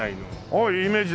ああイメージ？